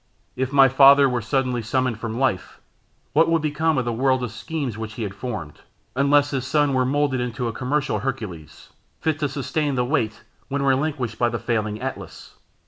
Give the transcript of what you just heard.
If my father were suddenly summoned from life, what would become of the world of schemes which he had formed, unless his son were moulded into a commercial Hercules, fit to sustain the weight when relinquished by the falling Atlas?